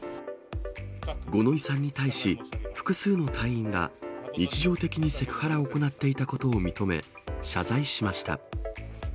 五ノ井さんに対し、複数の隊員が日常的にセクハラを行っていたことを認め、謝罪しました。